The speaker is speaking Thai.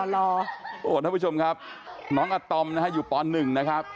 ท่านผู้ชมครับน้องอาตอมนะฮะอยู่ป๑นะครับ